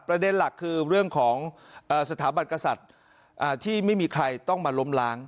ประเด็นหลักคือเรื่องของสถาบันกษัตริย์ที่ไม่มีใครต้องมาล้มล้าง